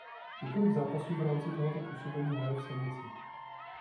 Několik zápasů v rámci tohoto působení hraje v Senici.